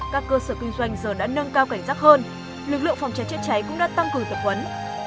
các cơ sở kinh doanh giờ đã nâng cao cảnh giác hơn lực lượng phòng cháy chữa cháy cũng đã tăng cường tập huấn